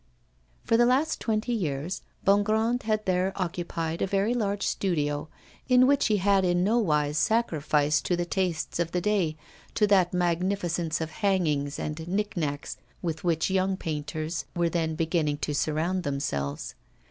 For the last twenty years Bongrand had there occupied a very large studio, in which he had in no wise sacrificed to the tastes of the day, to that magnificence of hangings and nick nacks with which young painters were then beginning to surround themselves.